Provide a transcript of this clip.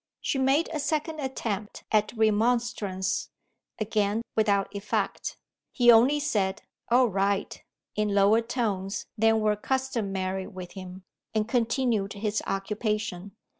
She made a second attempt at remonstrance again without effect. He only said, "All right!" in lower tones than were customary with him, and continued his occupation.